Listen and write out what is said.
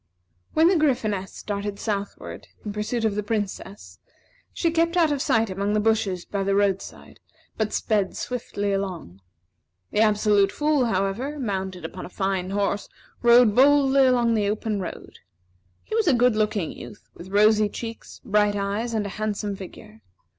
When the Gryphoness started southward, in pursuit of the Princess, she kept out of sight among the bushes by the roadside; but sped swiftly along. The Absolute Fool, however, mounted upon a fine horse, rode boldly along upon the open road. He was a good looking youth, with rosy cheeks, bright eyes, and a handsome figure.